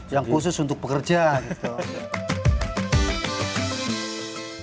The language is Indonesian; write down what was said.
yang khusus untuk pekerja gitu